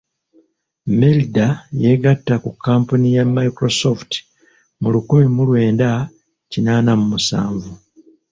Melinda yeegatta ku kkampuni ya Microsoft mu lukumi mu lwenda kinaana mu musanvu.